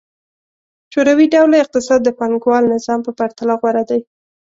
شوروي ډوله اقتصاد د پانګوال نظام په پرتله غوره دی.